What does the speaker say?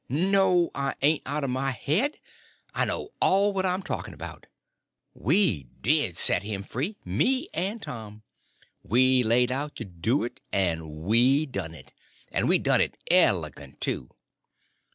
"No, I ain't out of my HEAD; I know all what I'm talking about. We did set him free—me and Tom. We laid out to do it, and we done it. And we done it elegant, too."